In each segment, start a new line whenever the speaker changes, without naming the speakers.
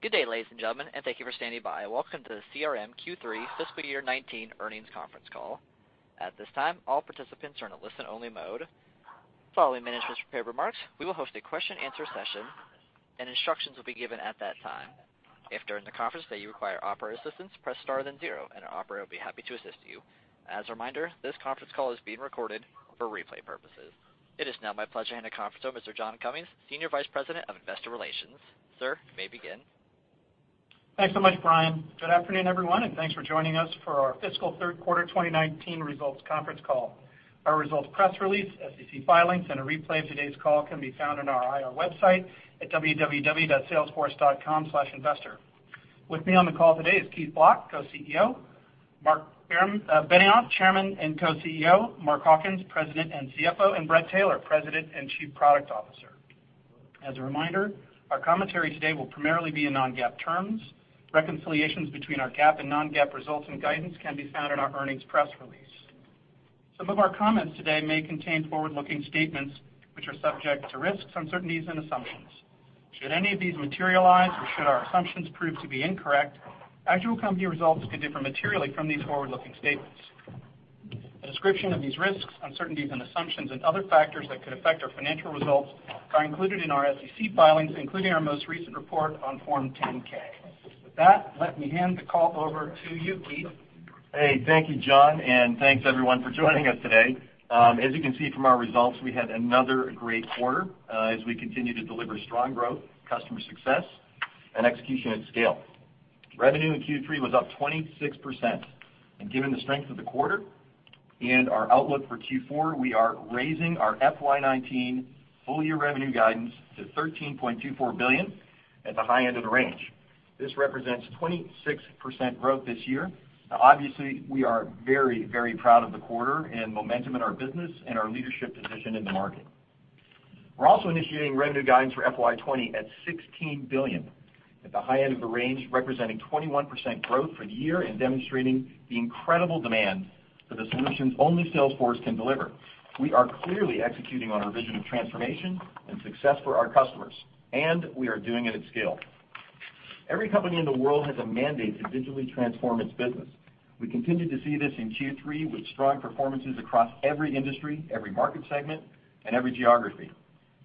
Good day, ladies and gentlemen. Thank you for standing by. Welcome to the CRM Q3 Fiscal Year 2019 Earnings Conference Call. At this time, all participants are in a listen-only mode. Following management's prepared remarks, we will host a question and answer session. Instructions will be given at that time. If during the conference that you require operator assistance, press star then zero, and an operator will be happy to assist you. As a reminder, this conference call is being recorded for replay purposes. It is now my pleasure to hand the conference over to John Cummings, Senior Vice President of Investor Relations. Sir, you may begin.
Thanks so much, Brian. Good afternoon, everyone. Thanks for joining us for our fiscal third quarter 2019 results conference call. Our results press release, SEC filings, and a replay of today's call can be found on our IR website at www.salesforce.com/investor. With me on the call today is Keith Block, Co-CEO, Marc Benioff, Chairman, Co-CEO, Mark Hawkins, President and CFO, Bret Taylor, President and Chief Product Officer. As a reminder, our commentary today will primarily be in non-GAAP terms. Reconciliations between our GAAP and non-GAAP results and guidance can be found in our earnings press release. Some of our comments today may contain forward-looking statements, which are subject to risks, uncertainties, and assumptions. Should any of these materialize or should our assumptions prove to be incorrect, actual company results could differ materially from these forward-looking statements. A description of these risks, uncertainties, assumptions and other factors that could affect our financial results are included in our SEC filings, including our most recent report on Form 10-K. With that, let me hand the call over to you, Keith.
Thank you, John. Thanks, everyone, for joining us today. As you can see from our results, we had another great quarter as we continue to deliver strong growth, customer success, and execution at scale. Revenue in Q3 was up 26%. Given the strength of the quarter and our outlook for Q4, we are raising our FY 2019 full-year revenue guidance to $13.24 billion at the high end of the range. This represents 26% growth this year. Obviously, we are very, very proud of the quarter and momentum in our business and our leadership position in the market. We're also initiating revenue guidance for FY 2020 at $16 billion at the high end of the range, representing 21% growth for the year and demonstrating the incredible demand for the solutions only Salesforce can deliver. We are clearly executing on our vision of transformation and success for our customers, and we are doing it at scale. Every company in the world has a mandate to digitally transform its business. We continued to see this in Q3 with strong performances across every industry, every market segment, and every geography.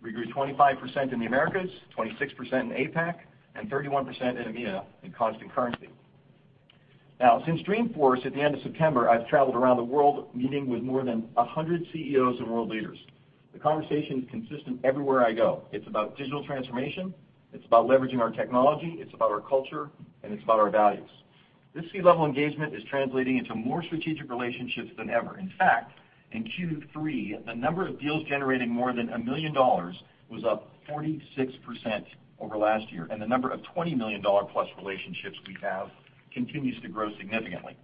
We grew 25% in the Americas, 26% in APAC, and 31% in EMEA in constant currency. Since Dreamforce at the end of September, I have traveled around the world meeting with more than 100 CEOs and world leaders. The conversation is consistent everywhere I go. It is about digital transformation, it is about leveraging our technology, it is about our culture, and it is about our values. This C-level engagement is translating into more strategic relationships than ever. In fact, in Q3, the number of deals generating more than $1 million was up 46% over last year, and the number of $20 million-plus relationships we have continues to grow significantly.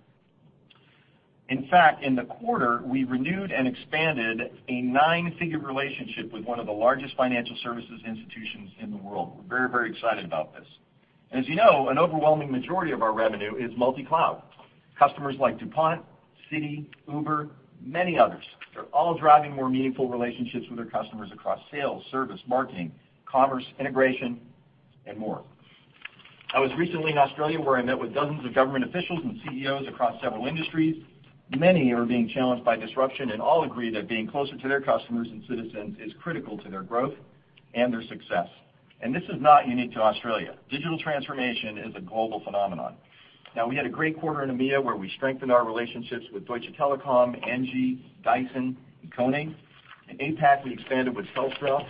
In fact, in the quarter, we renewed and expanded a nine-figure relationship with one of the largest financial services institutions in the world. We are very excited about this. As you know, an overwhelming majority of our revenue is multi-cloud. Customers like DuPont, Citi, Uber, many others, they are all driving more meaningful relationships with their customers across sales, service, marketing, commerce, integration, and more. I was recently in Australia, where I met with dozens of government officials and CEOs across several industries. Many are being challenged by disruption, and all agree that being closer to their customers and citizens is critical to their growth and their success. This is not unique to Australia. Digital transformation is a global phenomenon. We had a great quarter in EMEA, where we strengthened our relationships with Deutsche Telekom, Engie, Dyson, and KONE. In APAC, we expanded with Telstra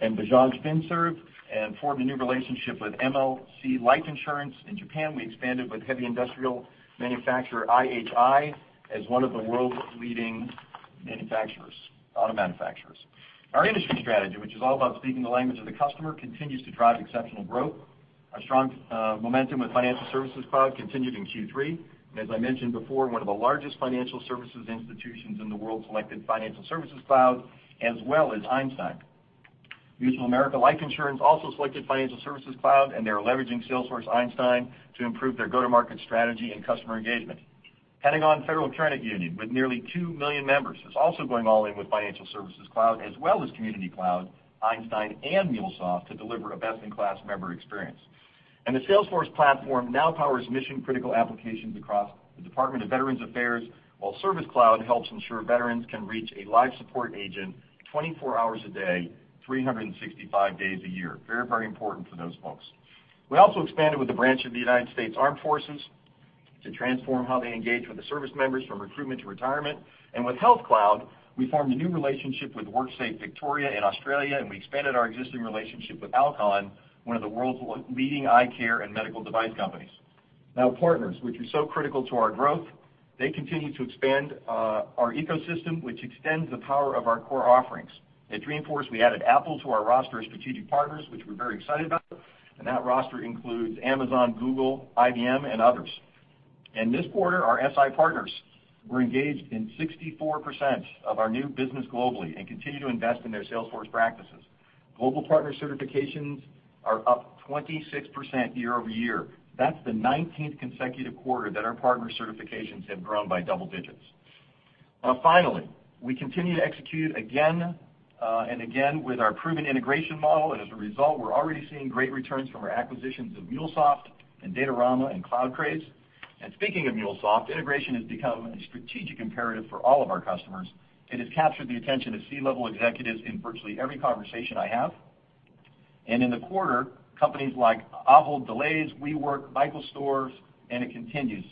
and Bajaj Finserv and formed a new relationship with MLC Life Insurance. In Japan, we expanded with heavy industrial manufacturer IHI as one of the world's leading auto manufacturers. Our industry strategy, which is all about speaking the language of the customer, continues to drive exceptional growth. Our strong momentum with Financial Services Cloud continued in Q3. As I mentioned before, one of the largest financial services institutions in the world selected Financial Services Cloud, as well as Einstein. Mutual of America Life Insurance also selected Financial Services Cloud, and they are leveraging Salesforce Einstein to improve their go-to-market strategy and customer engagement. Pentagon Federal Credit Union, with nearly 2 million members, is also going all in with Financial Services Cloud, as well as Community Cloud, Einstein, and MuleSoft to deliver a best-in-class member experience. The Salesforce Platform now powers mission-critical applications across the Department of Veterans Affairs, while Service Cloud helps ensure veterans can reach a live support agent 24 hours a day, 365 days a year. Very important for those folks. We also expanded with a branch of the United States Armed Forces to transform how they engage with the service members from recruitment to retirement. With Health Cloud, we formed a new relationship with WorkSafe Victoria in Australia, and we expanded our existing relationship with Alcon, one of the world's leading eye care and medical device companies. Partners, which are so critical to our growth, they continue to expand our ecosystem, which extends the power of our core offerings. At Dreamforce, we added Apple to our roster of strategic partners, which we're very excited about. That roster includes Amazon, Google, IBM, and others. This quarter, our SI partners were engaged in 64% of our new business globally and continue to invest in their Salesforce practices. Global partner certifications are up 26% year-over-year. That's the 19th consecutive quarter that our partner certifications have grown by double digits. Finally, we continue to execute again and again with our proven integration model. As a result, we're already seeing great returns from our acquisitions of MuleSoft and Datorama and CloudCraze. Speaking of MuleSoft, integration has become a strategic imperative for all of our customers. It has captured the attention of C-level executives in virtually every conversation I have. In the quarter, companies like Ahold Delhaize, WeWork, Michaels Stores, and it continues,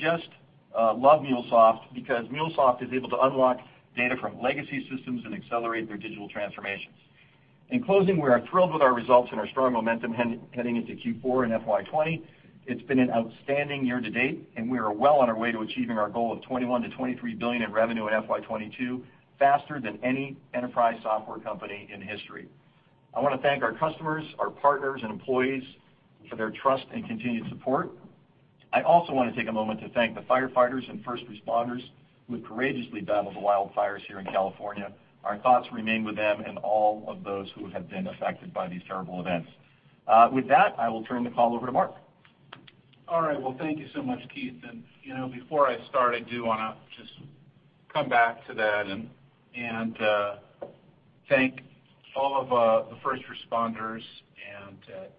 just love MuleSoft because MuleSoft is able to unlock data from legacy systems and accelerate their digital transformations. In closing, we are thrilled with our results and our strong momentum heading into Q4 and FY 2020. It's been an outstanding year to date. We are well on our way to achieving our goal of $21 billion-$23 billion in revenue in FY 2022, faster than any enterprise software company in history. I want to thank our customers, our partners, and employees for their trust and continued support. I also want to take a moment to thank the firefighters and first responders who have courageously battled the wildfires here in California. Our thoughts remain with them and all of those who have been affected by these terrible events. With that, I will turn the call over to Marc.
All right. Well, thank you so much, Keith. Before I start, I do want to just come back to that and thank all of the first responders and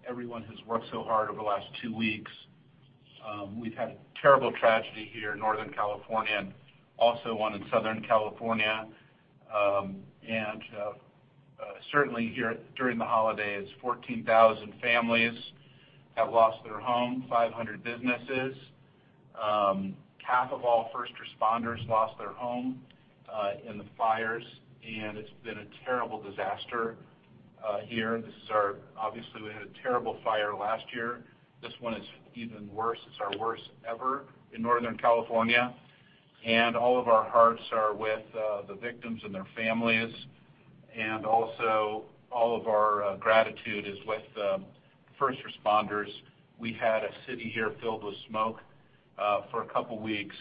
everyone who's worked so hard over the last two weeks. We've had a terrible tragedy here in Northern California. Also one in Southern California. Certainly here during the holidays, 14,000 families have lost their home, 500 businesses. Half of all first responders lost their home in the fires. It's been a terrible disaster here. Obviously, we had a terrible fire last year. This one is even worse. It's our worst ever in Northern California. All of our hearts are with the victims and their families. Also all of our gratitude is with the first responders. We had a city here filled with smoke for a couple of weeks,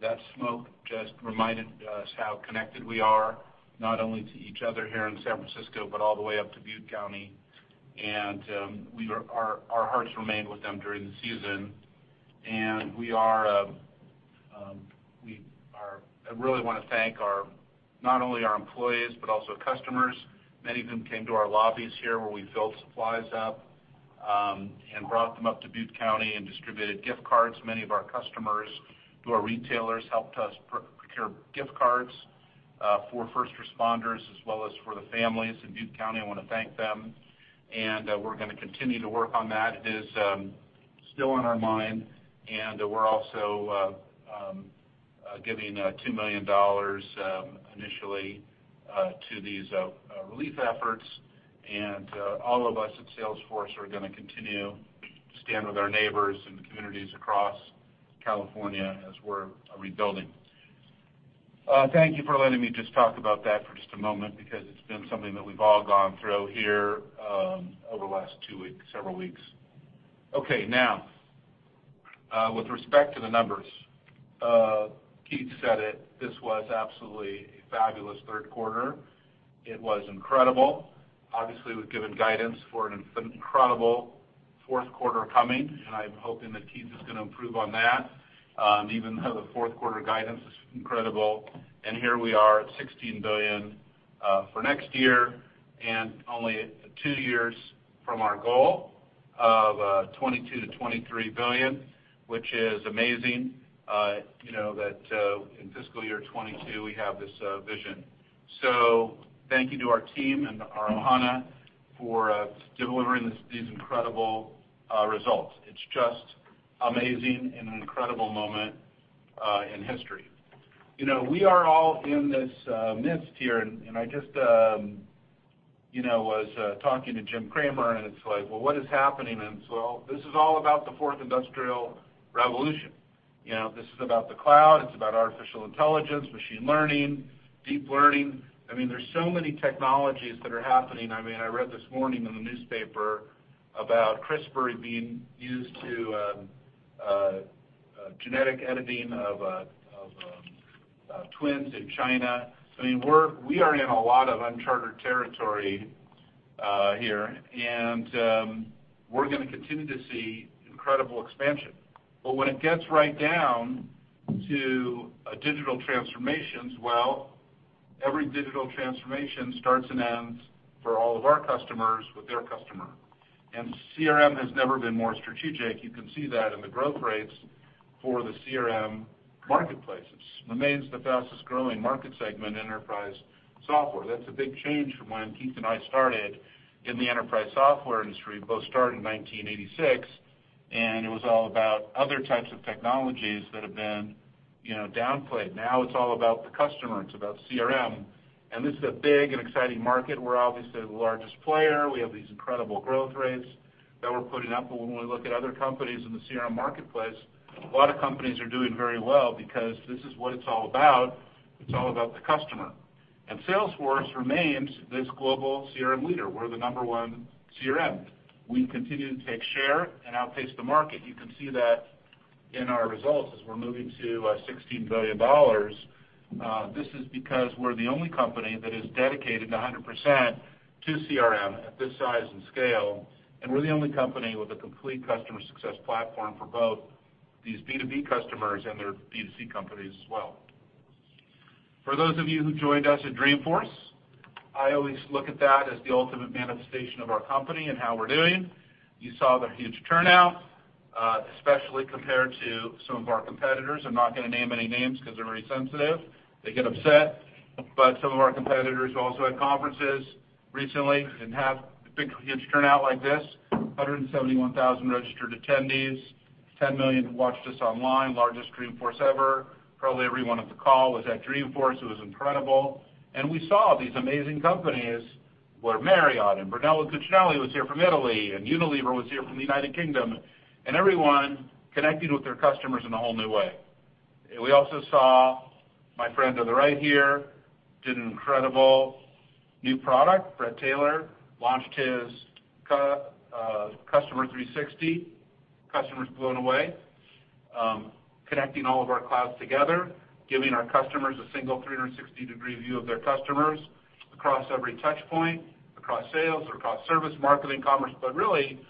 that smoke just reminded us how connected we are, not only to each other here in San Francisco, but all the way up to Butte County. Our hearts remain with them during the season. I really want to thank not only our employees, but also customers, many of whom came to our lobbies here where we filled supplies up, brought them up to Butte County and distributed gift cards. Many of our customers who are retailers helped us procure gift cards for first responders as well as for the families in Butte County. I want to thank them, we're going to continue to work on that. It is still on our mind, we're also giving $2 million initially to these relief efforts, all of us at Salesforce are going to continue to stand with our neighbors and the communities across California as we're rebuilding. Thank you for letting me just talk about that for just a moment, because it's been something that we've all gone through here over the last several weeks. Okay, now, with respect to the numbers, Keith said it, this was absolutely a fabulous third quarter. It was incredible. Obviously, we've given guidance for an incredible fourth quarter coming, I'm hoping that Keith is going to improve on that, even though the fourth quarter guidance is incredible. Here we are at $16 billion for next year and only two years from our goal of $22 billion to $23 billion, which is amazing, that in fiscal year 2022, we have this vision. Thank you to our team and our Ohana for delivering these incredible results. It's just amazing and an incredible moment in history. We are all in this midst here, I just was talking to Jim Cramer, it's like, well, what is happening? This is all about the fourth industrial revolution. This is about the cloud. It's about artificial intelligence, machine learning, deep learning. There's so many technologies that are happening. I read this morning in the newspaper about CRISPR being used to genetic editing of twins in China. We are in a lot of uncharted territory here, we're going to continue to see incredible expansion. When it gets right down to digital transformations, well, every digital transformation starts and ends for all of our customers with their customer. CRM has never been more strategic. You can see that in the growth rates for the CRM marketplaces. Remains the fastest-growing market segment enterprise software. That's a big change from when Keith and I started in the enterprise software industry, both started in 1986, it was all about other types of technologies that have been downplayed. Now it's all about the customer. It's about CRM. This is a big and exciting market. We're obviously the largest player. We have these incredible growth rates that we're putting up. When we look at other companies in the CRM marketplace, a lot of companies are doing very well because this is what it's all about. It's all about the customer. Salesforce remains this global CRM leader. We're the number 1 CRM. We continue to take share and outpace the market. You can see that in our results as we're moving to $16 billion. This is because we're the only company that is dedicated 100% to CRM at this size and scale, and we're the only company with a complete Customer Success Platform for both these B2B customers and their B2C companies as well. For those of you who joined us at Dreamforce, I always look at that as the ultimate manifestation of our company and how we're doing. You saw the huge turnout, especially compared to some of our competitors. I'm not going to name any names because they're very sensitive. They get upset. Some of our competitors also had conferences recently and didn't have a big, huge turnout like this. 171,000 registered attendees, 10 million watched us online, largest Dreamforce ever. Probably everyone on the call was at Dreamforce. It was incredible. We saw these amazing companies, where Marriott and Brunello Cucinelli was here from Italy, and Unilever was here from the U.K., and everyone connecting with their customers in a whole new way. We also saw my friend on the right here, did an incredible new product. Bret Taylor launched his Customer 360. Customers blown away. Connecting all of our clouds together, giving our customers a single 360-degree view of their customers across every touch point, across Sales, across Service, Marketing, Commerce, but really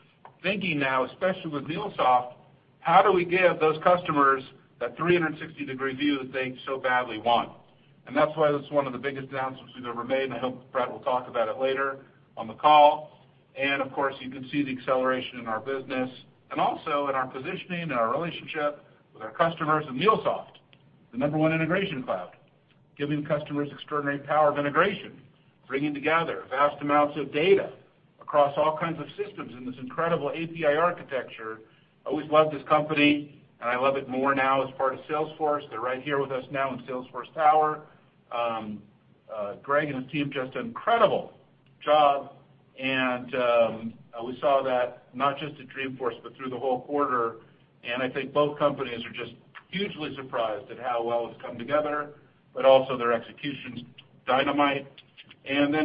thinking now, especially with MuleSoft, how do we give those customers that 360-degree view that they so badly want? That's why that's one of the biggest announcements we've ever made, and I hope Bret will talk about it later on the call. Of course, you can see the acceleration in our business and also in our positioning and our relationship with our customers and MuleSoft, the number one integration cloud, giving customers extraordinary power of integration, bringing together vast amounts of data across all kinds of systems in this incredible API architecture. Always loved this company, and I love it more now as part of Salesforce. They're right here with us now in Salesforce Tower. Greg and his team just did an incredible job. We saw that not just at Dreamforce, but through the whole quarter. I think both companies are just hugely surprised at how well it's come together, but also their execution's dynamite.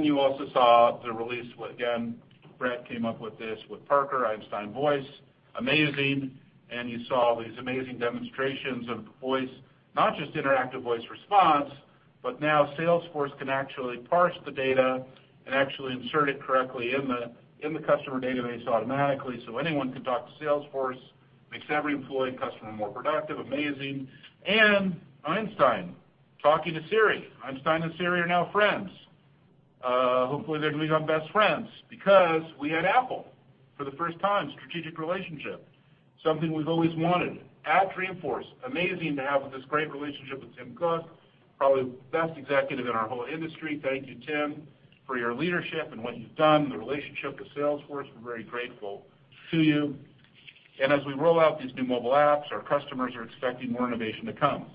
You also saw the release, again, Bret came up with this, with Parker, Einstein Voice. Amazing. You saw these amazing demonstrations of voice, not just interactive voice response, but now Salesforce can actually parse the data and actually insert it correctly in the customer database automatically, so anyone can talk to Salesforce. Makes every employee and customer more productive, amazing. Einstein talking to Siri. Einstein and Siri are now friends. Hopefully, they're going to become best friends because we had Apple for the first time, strategic relationship. Something we've always wanted. At Dreamforce, amazing to have this great relationship with Tim Cook, probably the best executive in our whole industry. Thank you, Tim, for your leadership and what you've done, the relationship with Salesforce. We're very grateful to you. As we roll out these new mobile apps, our customers are expecting more innovation to come.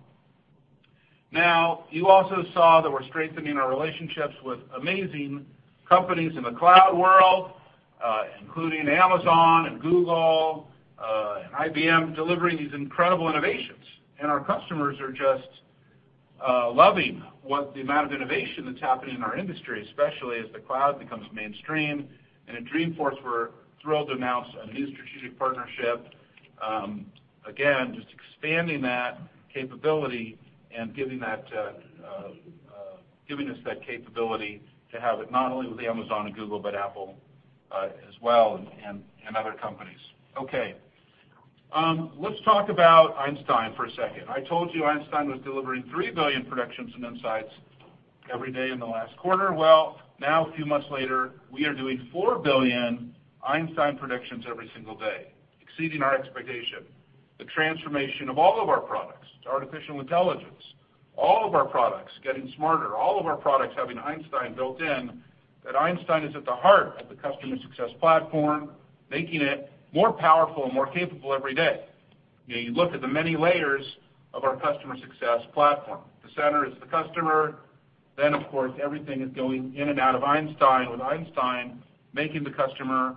You also saw that we're strengthening our relationships with amazing companies in the cloud world, including Amazon and Google and IBM, delivering these incredible innovations. Our customers are just loving the amount of innovation that's happening in our industry, especially as the cloud becomes mainstream. At Dreamforce, we're thrilled to announce a new strategic partnership. Again, just expanding that capability and giving us that capability to have it not only with Amazon and Google, but Apple as well, and other companies. Okay. Let's talk about Einstein for a second. I told you Einstein was delivering 3 billion predictions and insights every day in the last quarter. Now a few months later, we are doing 4 billion Einstein predictions every single day, exceeding our expectation. The transformation of all of our products to artificial intelligence, all of our products getting smarter, all of our products having Einstein built in, that Einstein is at the heart of the Customer Success Platform, making it more powerful and more capable every day. You look at the many layers of our Customer Success Platform. The center is the customer. Of course, everything is going in and out of Einstein, with Einstein making the customer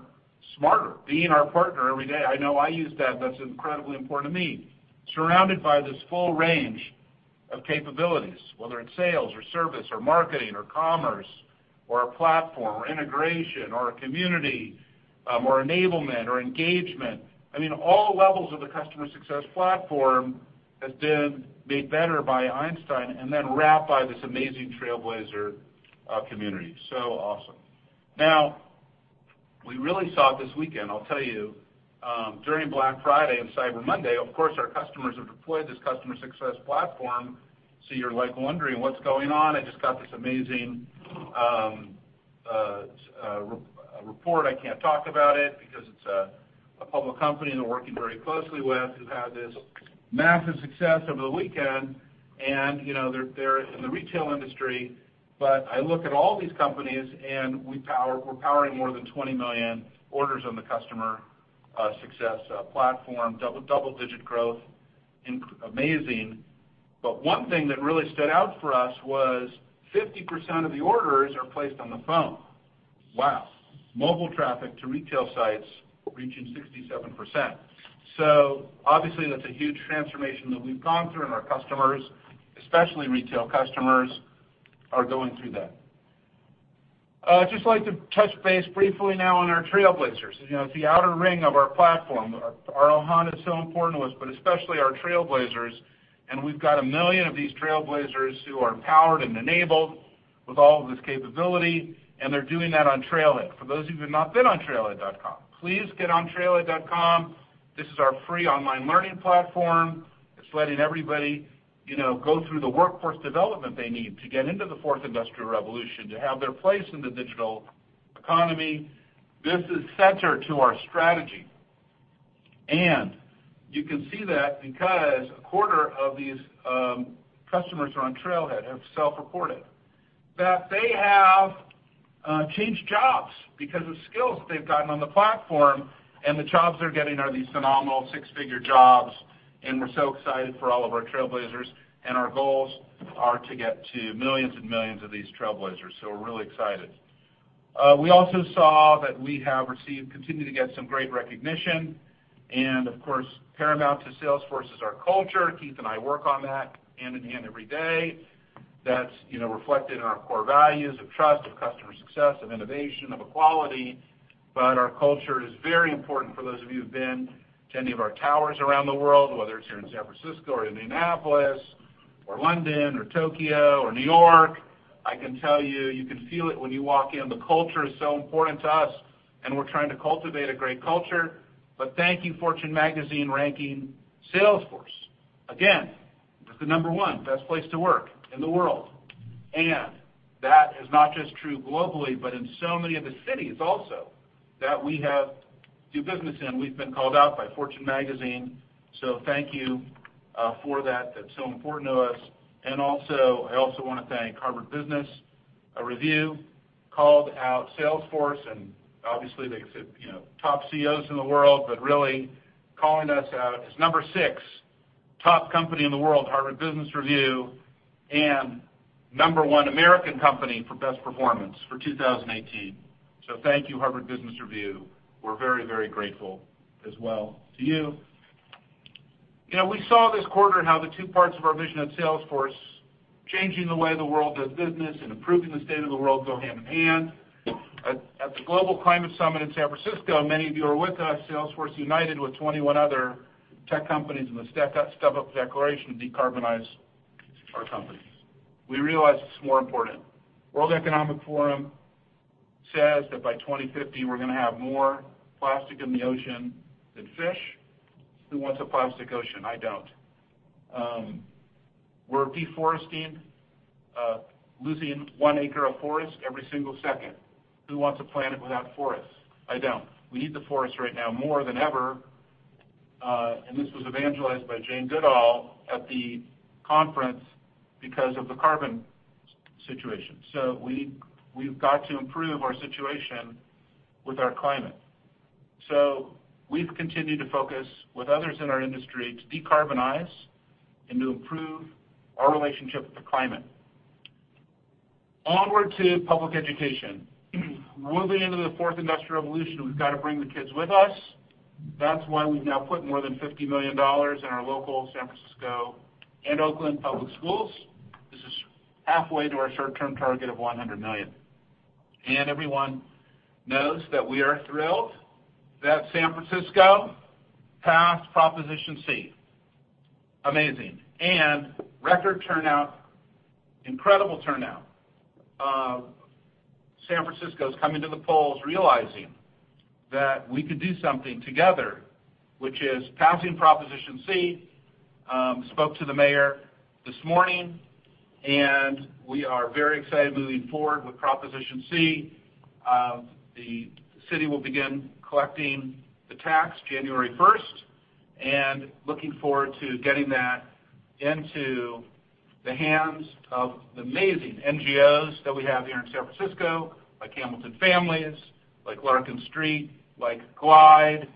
smarter, being our partner every day. I know I use that. That's incredibly important to me. Surrounded by this full range of capabilities, whether it's Sales or Service or Marketing or Commerce or our Platform or integration or our Community or enablement or engagement. I mean, all levels of the Customer Success Platform has been made better by Einstein and then wrapped by this amazing Trailblazer community. Awesome. We really saw it this weekend, I'll tell you, during Black Friday and Cyber Monday, of course, our customers have deployed this Customer Success Platform. You're wondering what's going on. I just got this amazing report. I can't talk about it because it's a public company that we're working very closely with who had this massive success over the weekend, and they're in the retail industry. I look at all these companies, and we're powering more than 20 million orders on the Customer Success Platform, double-digit growth. Amazing. One thing that really stood out for us was 50% of the orders are placed on the phone. Wow. Mobile traffic to retail sites reaching 67%. Obviously, that's a huge transformation that we've gone through, and our customers, especially retail customers, are going through that. I'd just like to touch base briefly now on our Trailblazers. It's the outer ring of our platform. Our Ohana is so important to us, but especially our Trailblazers, and we've got a million of these Trailblazers who are empowered and enabled with all of this capability, and they're doing that on Trailhead. For those of you who've not been on trailhead.com, please get on trailhead.com. This is our free online learning platform. It's letting everybody go through the workforce development they need to get into the fourth industrial revolution, to have their place in the digital economy. This is center to our strategy. You can see that because a quarter of these customers who are on Trailhead have self-reported that they have changed jobs because of skills they've gotten on the platform, the jobs they're getting are these phenomenal six-figure jobs. We're so excited for all of our Trailblazers, our goals are to get to millions and millions of these Trailblazers. We're really excited. We also saw that we have continued to get some great recognition. Of course, paramount to Salesforce is our culture. Keith and I work on that hand-in-hand every day. That's reflected in our core values of trust, of customer success, of innovation, of equality. Our culture is very important for those of you who've been to any of our towers around the world, whether it's here in San Francisco or Indianapolis or London or Tokyo or New York. I can tell you can feel it when you walk in. The culture is so important to us, and we're trying to cultivate a great culture. Thank you, Fortune magazine, ranking Salesforce, again, as the number 1 best place to work in the world. That is not just true globally, but in so many of the cities also that we do business in. We've been called out by Fortune magazine. Thank you for that. That's so important to us. I also want to thank Harvard Business Review, called out Salesforce, obviously, they said top CEOs in the world, but really calling us out as number 6 top company in the world, Harvard Business Review, and number 1 American company for best performance for 2018. Thank you, Harvard Business Review. We're very grateful as well to you. We saw this quarter how the two parts of our vision at Salesforce, changing the way the world does business and improving the state of the world, go hand-in-hand. At the Global Climate Summit in San Francisco, many of you were with us, Salesforce united with 21 other tech companies in the Step Up Declaration to decarbonize our companies. We realize it's more important. World Economic Forum says that by 2050, we're going to have more plastic in the ocean than fish. Who wants a plastic ocean? I don't. We're deforesting, losing one acre of forest every single second. Who wants a planet without forests? I don't. We need the forests right now more than ever. This was evangelized by Jane Goodall at the conference because of the carbon situation. We've got to improve our situation with our climate. We've continued to focus with others in our industry to decarbonize and to improve our relationship with the climate. Onward to public education. Moving into the fourth industrial revolution, we've got to bring the kids with us. That's why we've now put more than $50 million in our local San Francisco and Oakland public schools. This is halfway to our short-term target of $100 million. Everyone knows that we are thrilled that San Francisco passed Proposition C. Amazing. Record turnout, incredible turnout of San Francisco's coming to the polls, realizing that we could do something together, which is passing Proposition C. Spoke to the mayor this morning, we are very excited moving forward with Proposition C. The city will begin collecting the tax January 1st. Looking forward to getting that into the hands of the amazing NGOs that we have here in San Francisco, like Hamilton Families, like Larkin Street, like Glide,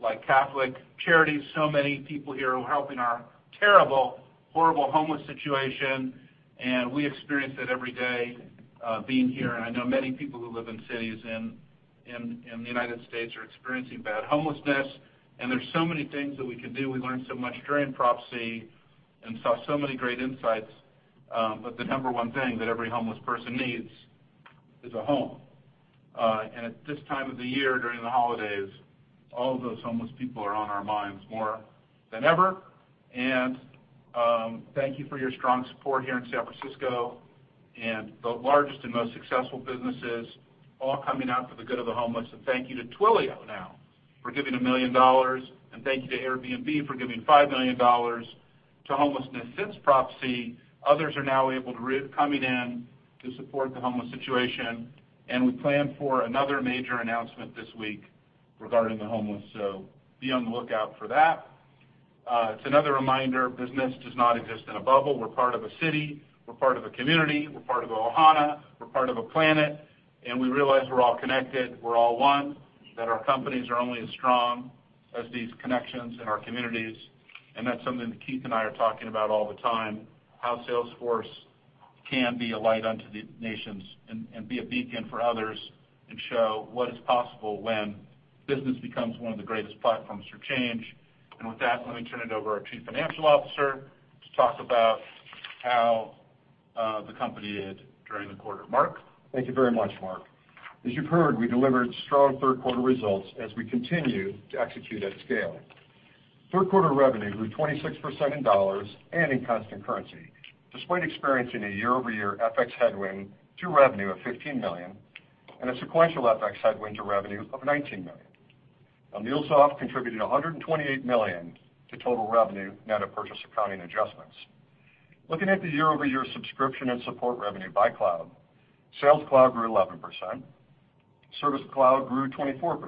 like Catholic Charities. Many people here who are helping our terrible, horrible homeless situation. We experience it every day being here. I know many people who live in cities in the U.S. are experiencing bad homelessness, and there's so many things that we can do. We learned so much during Prop C and saw so many great insights. The number one thing that every homeless person needs is a home. At this time of the year, during the holidays, all of those homeless people are on our minds more than ever. Thank you for your strong support here in San Francisco. The largest and most successful businesses all coming out for the good of the homeless. Thank you to Twilio now for giving $1 million. Thank you to Airbnb for giving $5 million to homelessness. Since Prop C, others are now coming in to support the homeless situation. We plan for another major announcement this week regarding the homeless, so be on the lookout for that. It's another reminder business does not exist in a bubble. We're part of a city. We're part of a community. We're part of the Ohana. We're part of a planet, and we realize we're all connected. We're all one, that our companies are only as strong as these connections in our communities. That's something that Keith and I are talking about all the time, how Salesforce can be a light unto the nations and be a beacon for others and show what is possible when business becomes one of the greatest platforms for change. With that, let me turn it over to our chief financial officer to talk about how the company did during the quarter. Mark.
Thank you very much, Marc. As you've heard, we delivered strong third quarter results as we continue to execute at scale. Third quarter revenue grew 26% in dollars and in constant currency, despite experiencing a year-over-year FX headwind to revenue of $15 million and a sequential FX headwind to revenue of $19 million. Now, MuleSoft contributed $128 million to total revenue net of purchase accounting adjustments. Looking at the year-over-year subscription and support revenue by cloud, Sales Cloud grew 11%, Service Cloud grew 24%,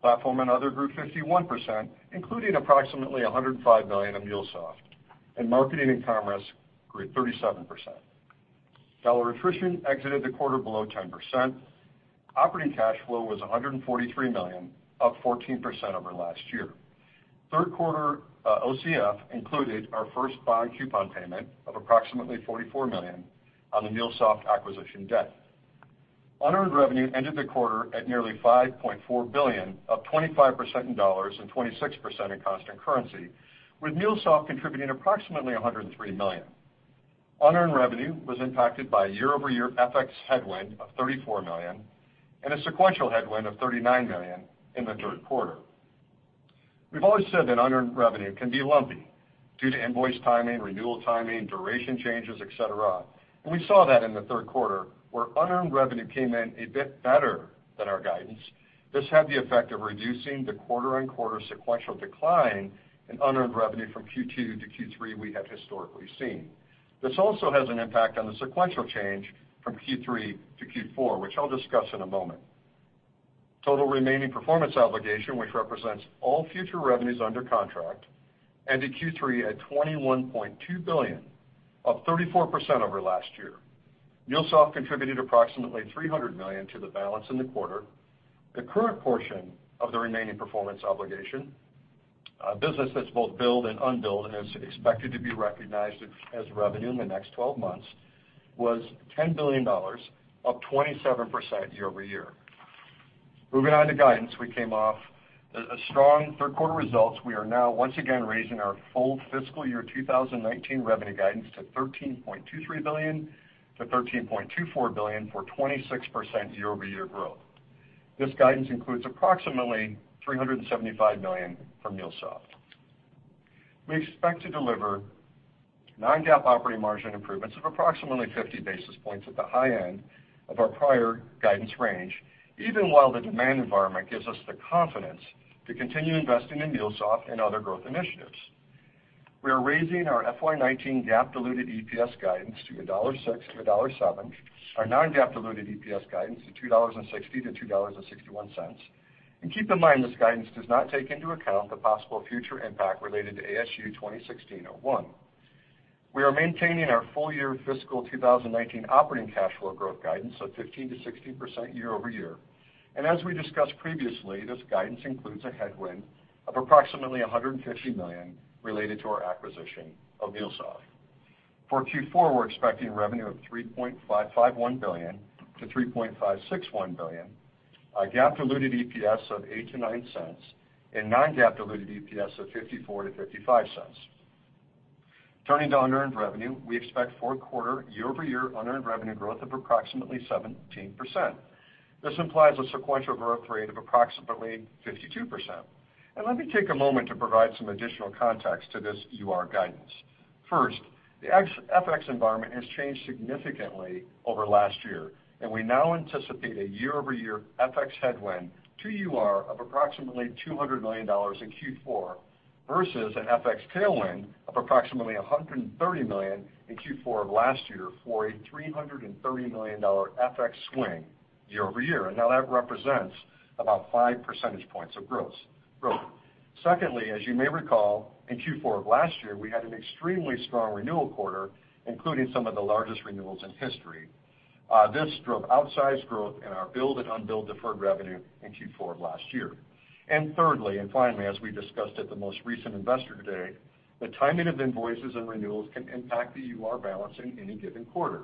Platform and other grew 51%, including approximately $105 million of MuleSoft, and Marketing and Commerce grew 37%. Dollar attrition exited the quarter below 10%. Operating cash flow was $143 million, up 14% over last year. Third quarter OCF included our first bond coupon payment of approximately $44 million on the MuleSoft acquisition debt. Unearned revenue ended the quarter at nearly $5.4 billion, up 25% in dollars and 26% in constant currency, with MuleSoft contributing approximately $103 million. Unearned revenue was impacted by year-over-year FX headwind of $34 million and a sequential headwind of $39 million in the third quarter. We've always said that unearned revenue can be lumpy due to invoice timing, renewal timing, duration changes, et cetera. We saw that in the third quarter, where unearned revenue came in a bit better than our guidance. This had the effect of reducing the quarter-on-quarter sequential decline in unearned revenue from Q2 to Q3 we have historically seen. This also has an impact on the sequential change from Q3 to Q4, which I'll discuss in a moment. Total remaining performance obligation, which represents all future revenues under contract, ended Q3 at $21.2 billion, up 34% over last year. MuleSoft contributed approximately $300 million to the balance in the quarter. The current portion of the remaining performance obligation, business that's both billed and unbilled, and is expected to be recognized as revenue in the next 12 months, was $10 billion, up 27% year-over-year. Moving on to guidance. We came off a strong third quarter results. We are now once again raising our full fiscal year 2019 revenue guidance to $13.23 billion-$13.24 billion for 26% year-over-year growth. This guidance includes approximately $375 million from MuleSoft. We expect to deliver non-GAAP operating margin improvements of approximately 50 basis points at the high end of our prior guidance range, even while the demand environment gives us the confidence to continue investing in MuleSoft and other growth initiatives. We are raising our FY 2019 GAAP diluted EPS guidance to $1.06-$1.07, our non-GAAP diluted EPS guidance to $2.60-$2.61. Keep in mind, this guidance does not take into account the possible future impact related to ASU 2016-01. We are maintaining our full-year fiscal 2019 operating cash flow growth guidance of 15%-16% year-over-year. As we discussed previously, this guidance includes a headwind of approximately $150 million related to our acquisition of MuleSoft. For Q4, we're expecting revenue of $3.551 billion-$3.561 billion, a GAAP diluted EPS of $0.08-$0.09, and non-GAAP diluted EPS of $0.54-$0.55. Turning to unearned revenue, we expect fourth quarter year-over-year unearned revenue growth of approximately 17%. This implies a sequential growth rate of approximately 52%. Let me take a moment to provide some additional context to this UR guidance. First, the FX environment has changed significantly over last year, we now anticipate a year-over-year FX headwind to UR of approximately $200 million in Q4 versus an FX tailwind of approximately $130 million in Q4 of last year, for a $330 million FX swing year-over-year. Now that represents about five percentage points of growth. Secondly, as you may recall, in Q4 of last year, we had an extremely strong renewal quarter, including some of the largest renewals in history. This drove outsized growth in our billed and unbilled deferred revenue in Q4 of last year. Thirdly, and finally, as we discussed at the most recent Investor Day, the timing of invoices and renewals can impact the UR balance in any given quarter.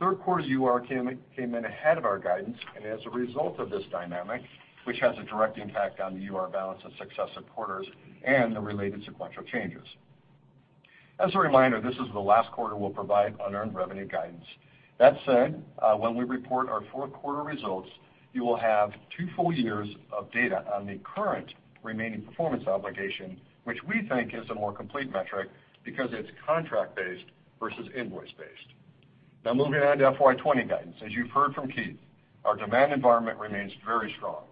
Third quarter's UR came in ahead of our guidance. As a result of this dynamic, which has a direct impact on the UR balance of successive quarters and the related sequential changes, as a reminder, this is the last quarter we'll provide unearned revenue guidance. That said, when we report our fourth quarter results, you will have two full years of data on the current remaining performance obligation, which we think is a more complete metric because it's contract-based versus invoice-based. Now, moving on to FY 2020 guidance. As you've heard from Keith, our demand environment remains very strong.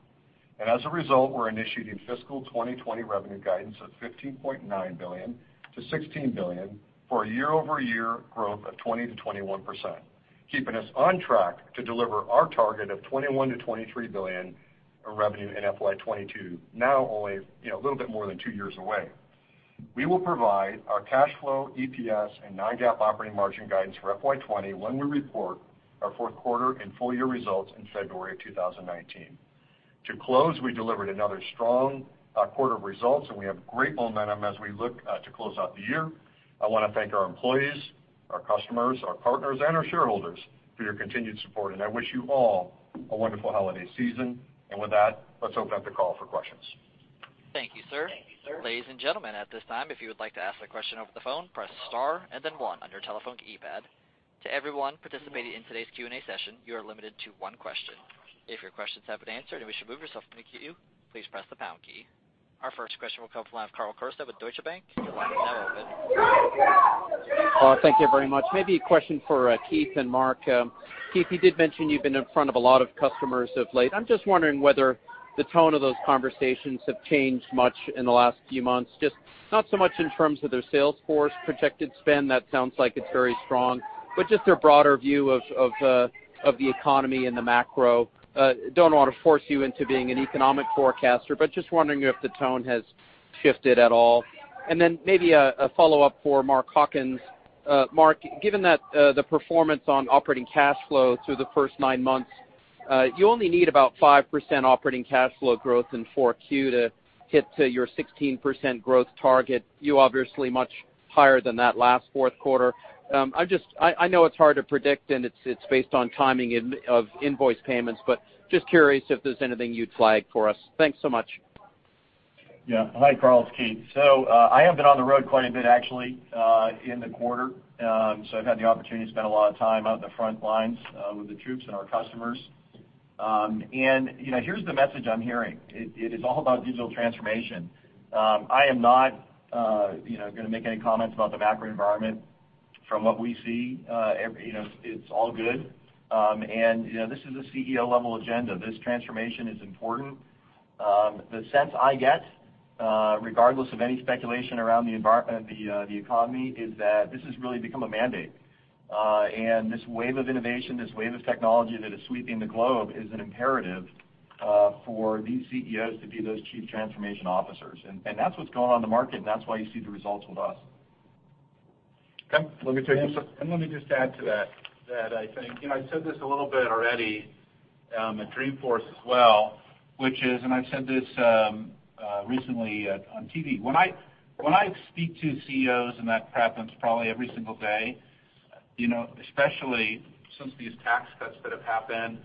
As a result, we're initiating fiscal 2020 revenue guidance of $15.9 billion-$16 billion for a year-over-year growth of 20%-21%, keeping us on track to deliver our target of $21 billion-$23 billion of revenue in FY 2022, now only a little bit more than two years away. We will provide our cash flow, EPS, and non-GAAP operating margin guidance for FY 2020 when we report our fourth quarter and full-year results in February 2019. To close, we delivered another strong quarter of results. We have great momentum as we look to close out the year. I want to thank our employees Our customers, our partners, and our shareholders for your continued support. I wish you all a wonderful holiday season. With that, let's open up the call for questions.
Thank you, sir. Ladies and gentlemen, at this time, if you would like to ask a question over the phone, press star then one on your telephone keypad. To everyone participating in today's Q&A session, you are limited to one question. If your questions have been answered and we should move yourself from the queue, please press the pound key. Our first question will come from Karl Keirstead with Deutsche Bank. Your line is now open.
Thank you very much. Maybe a question for Keith and Mark. Keith, you did mention you've been in front of a lot of customers of late. I'm just wondering whether the tone of those conversations have changed much in the last few months, just not so much in terms of their Salesforce, projected spend, that sounds like it's very strong, but just their broader view of the economy and the macro. Don't want to force you into being an economic forecaster, but just wondering if the tone has shifted at all. Maybe a follow-up for Mark Hawkins. Mark, given that the performance on operating cash flow through the first nine months, you only need about 5% operating cash flow growth in 4Q to hit your 16% growth target. You obviously much higher than that last fourth quarter. I know it's hard to predict, it's based on timing of invoice payments, just curious if there's anything you'd flag for us. Thanks so much.
Hi, Karl. It's Keith. I have been on the road quite a bit, actually, in the quarter. I've had the opportunity to spend a lot of time out in the front lines with the troops and our customers. Here's the message I'm hearing. It is all about digital transformation. I am not going to make any comments about the macro environment. From what we see, it's all good. This is a CEO-level agenda. This transformation is important. The sense I get, regardless of any speculation around the economy, is that this has really become a mandate. This wave of innovation, this wave of technology that is sweeping the globe, is an imperative for these CEOs to be those chief transformation officers. That's what's going on in the market, that's why you see the results with us.
Okay. Let me just add to that, I said this a little bit already at Dreamforce as well, I've said this recently on TV. When I speak to CEOs, that happens probably every single day, especially since these tax cuts that have happened,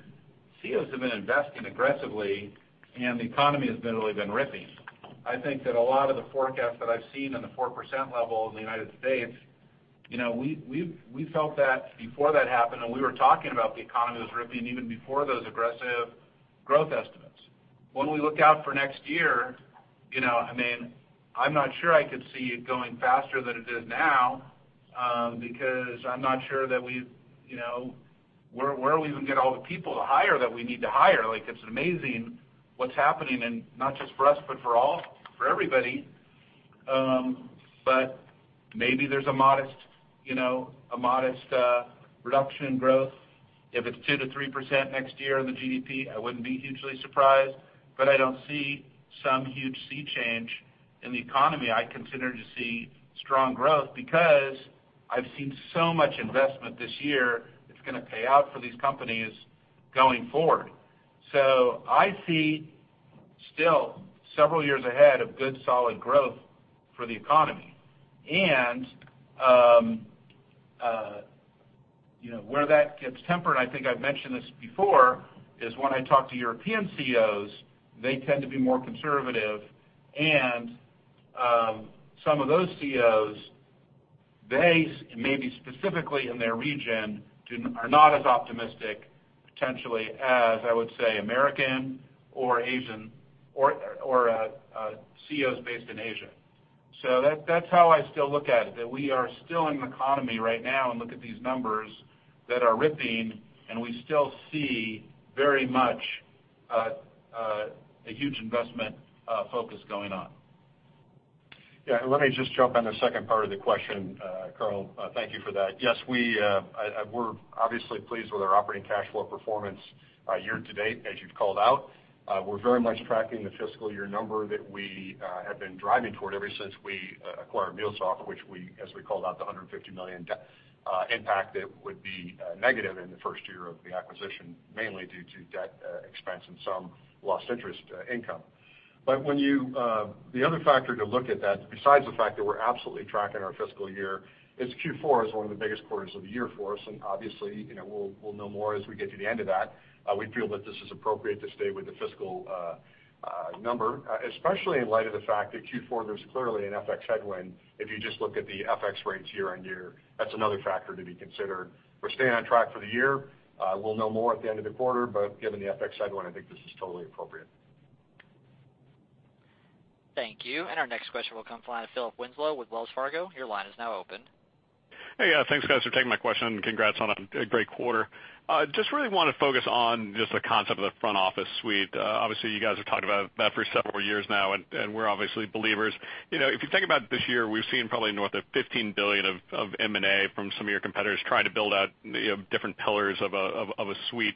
CEOs have been investing aggressively, the economy has literally been ripping. I think that a lot of the forecasts that I've seen on the 4% level in the U.S., we felt that before that happened, we were talking about the economy was ripping even before those aggressive growth estimates. When we look out for next year, I'm not sure I could see it going faster than it is now, because I'm not sure where we even get all the people to hire that we need to hire. It's amazing what's happening, not just for us, but for everybody.
Maybe there's a modest reduction in growth. If it's 2%-3% next year in the GDP, I wouldn't be hugely surprised. I don't see some huge sea change in the economy. I continue to see strong growth because I've seen so much investment this year that's going to pay out for these companies going forward. I see still several years ahead of good, solid growth for the economy. Where that gets tempered, I think I've mentioned this before, is when I talk to European CEOs, they tend to be more conservative, some of those CEOs, they may be specifically in their region, are not as optimistic potentially as, I would say, American or Asian or CEOs based in Asia. That's how I still look at it, that we are still in an economy right now, look at these numbers, that are ripping, we still see very much a huge investment focus going on.
Let me just jump on the second part of the question, Karl. Thank you for that. Yes, we're obviously pleased with our operating cash flow performance year-to-date, as you've called out. We're very much tracking the fiscal year number that we have been driving toward ever since we acquired MuleSoft, which as we called out, the $150 million impact that would be negative in the first year of the acquisition, mainly due to debt expense and some lost interest income. The other factor to look at that, besides the fact that we're absolutely tracking our fiscal year, is Q4 is one of the biggest quarters of the year for us, obviously, we'll know more as we get to the end of that. We feel that this is appropriate to stay with the fiscal number, especially in light of the fact that Q4, there's clearly an FX headwind. If you just look at the FX rates year-over-year, that's another factor to be considered. We're staying on track for the year. We'll know more at the end of the quarter, but given the FX headwind, I think this is totally appropriate.
Thank you. Our next question will come from the line of Philip Winslow with Wells Fargo. Your line is now open.
Hey. Thanks, guys, for taking my question. Congrats on a great quarter. Just really want to focus on just the concept of the front office suite. Obviously, you guys have talked about that for several years now, and we're obviously believers. If you think about this year, we've seen probably north of $15 billion of M&A from some of your competitors trying to build out different pillars of a suite.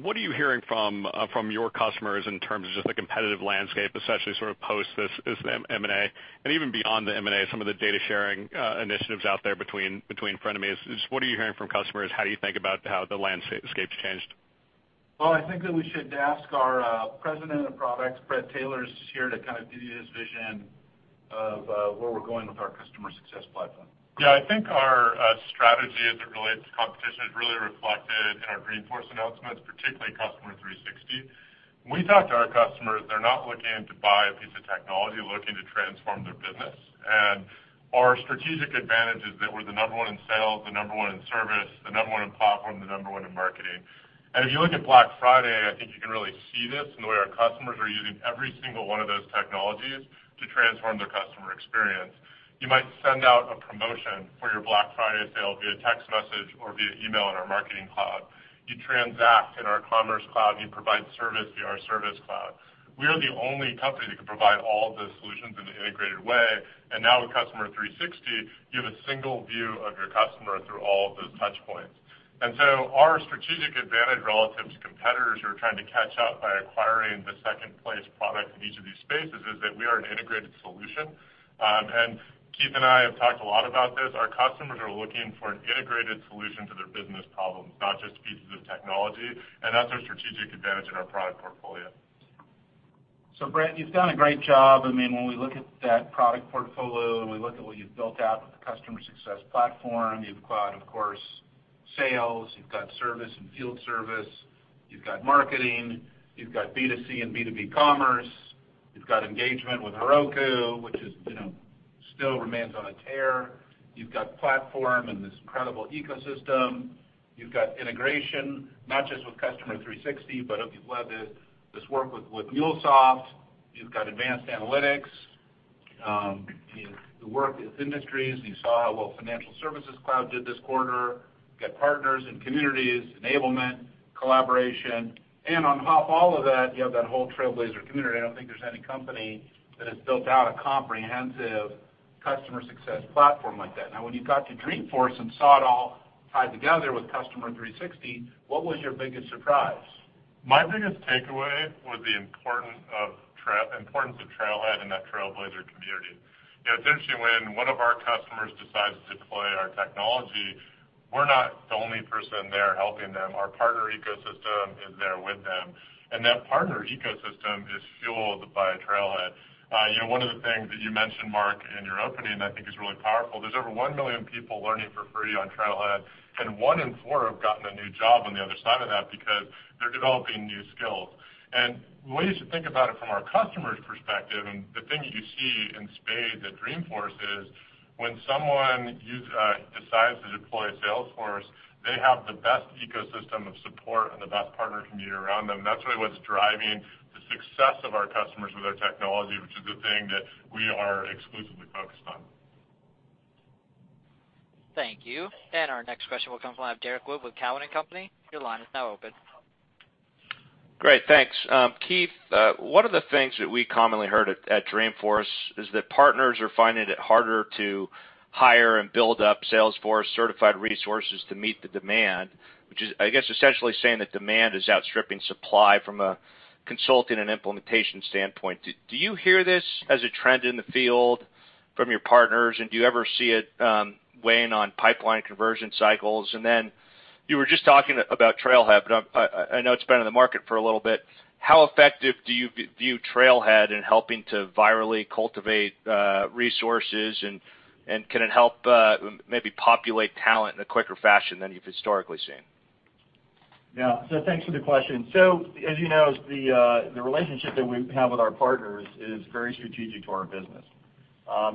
What are you hearing from your customers in terms of just the competitive landscape, essentially sort of post this M&A, and even beyond the M&A, some of the data sharing initiatives out there between frenemies. What are you hearing from customers? How do you think about how the landscape's changed?
Well, I think that we should ask our President of Products, Bret Taylor, is here to give you his vision of where we're going with our Customer Success Platform.
Yeah, I think our strategy as it relates to competition is really reflected in our Dreamforce announcements, particularly Customer 360. When we talk to our customers, they're not looking to buy a piece of technology, they're looking to transform their business. Our strategic advantage is that we're the number one in sales, the number one in service, the number one in platform, the number one in marketing. If you look at Black Friday, I think you can really see this in the way our customers are using every single one of those technologies to transform their customer experience. You might send out a promotion for your Black Friday sale via text message or via email in our Marketing Cloud. You transact in our Commerce Cloud, you provide service via our Service Cloud. We are the only company that can provide all of the solutions in an integrated way. Now with Customer 360, you have a single view of your customer through all of those touch points. Our strategic advantage relative to competitors who are trying to catch up by acquiring the second-place product in each of these spaces, is that we are an integrated solution. Keith and I have talked a lot about this. Our customers are looking for an integrated solution to their business problems, not just pieces of technology. That's our strategic advantage in our product portfolio.
Bret, you've done a great job. When we look at that product portfolio, and we look at what you've built out with the Customer Success Platform, you've got, of course, Sales, you've got Service and Field Service, you've got Marketing, you've got B2C and B2B Commerce, you've got engagement with Heroku, which still remains on a tear. You've got Platform and this incredible ecosystem. You've got integration, not just with Customer 360, but obviously this work with MuleSoft. You've got advanced analytics. The work with industries. You saw how well Financial Services Cloud did this quarter. You got partners and communities, enablement, collaboration, and on top of all of that, you have that whole Trailblazer community. I don't think there's any company that has built out a comprehensive Customer Success Platform like that. When you got to Dreamforce and saw it all tied together with Customer 360, what was your biggest surprise?
My biggest takeaway was the importance of Trailhead and that Trailblazer community. It's interesting, when one of our customers decides to deploy our technology, we're not the only person there helping them. Our partner ecosystem is there with them. That partner ecosystem is fueled by Trailhead. One of the things that you mentioned, Marc, in your opening, I think is really powerful. There's over 1 million people learning for free on Trailhead, and one in four have gotten a new job on the other side of that because they're developing new skills. When we used to think about it from our customers' perspective, and the thing that you see in spades at Dreamforce is when someone decides to deploy Salesforce, they have the best ecosystem of support and the best partner community around them. That's really what's driving the success of our customers with our technology, which is the thing that we are exclusively focused on.
Thank you. Our next question will come from Derrick Wood with Cowen and Company. Your line is now open.
Great, thanks. Keith, one of the things that we commonly heard at Dreamforce is that partners are finding it harder to hire and build up Salesforce certified resources to meet the demand, which is, I guess, essentially saying that demand is outstripping supply from a consulting and implementation standpoint. Do you hear this as a trend in the field from your partners? Do you ever see it weighing on pipeline conversion cycles? You were just talking about Trailhead, but I know it's been on the market for a little bit. How effective do you view Trailhead in helping to virally cultivate resources, and can it help maybe populate talent in a quicker fashion than you've historically seen?
Yeah. Thanks for the question. As you know, the relationship that we have with our partners is very strategic to our business.